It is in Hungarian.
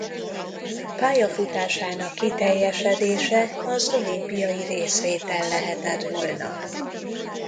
Pályafutásának kiteljesedése az olimpiai részvétel lehetett volna.